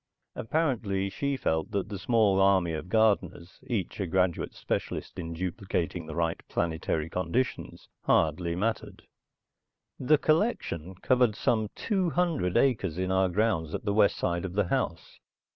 Apparently she felt that the small army of gardeners, each a graduate specialist in duplicating the right planetary conditions, hardly mattered. The collection covered some two hundred acres in our grounds at the west side of the house.